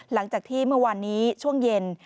หลังจากที่เมื่อวานนี้ช่วงเย็น